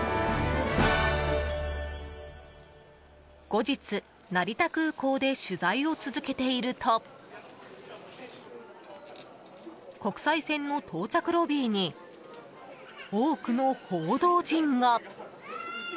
後日、成田空港で取材を続けていると国際線の到着ロビーに多くの報道陣が。